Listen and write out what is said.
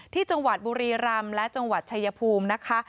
ที่จังหวัดบุรีรำและจังหวัดชายภูมินะคะ